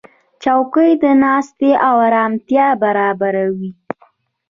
چوکۍ د ناستې آرامتیا برابروي.